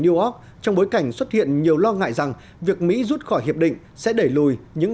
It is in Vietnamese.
new york trong bối cảnh xuất hiện nhiều lo ngại rằng việc mỹ rút khỏi hiệp định sẽ đẩy lùi những